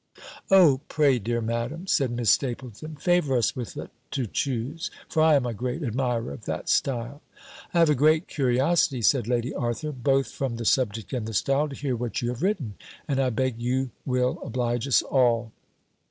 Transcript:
"O pray, dear Madam," said Miss Stapylton, "favour us with it to choose; for I am a great admirer of that style." "I have a great curiosity," said Lady Arthur, "both from the subject and the style, to hear what you have written: and I beg you will oblige us all."